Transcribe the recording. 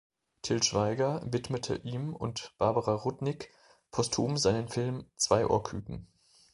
Til Schweiger widmete ihm und Barbara Rudnik posthum seinen Film "Zweiohrküken".